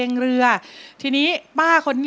มืดวน